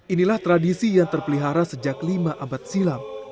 inilah tradisi yang terpelihara sejak lima abad silam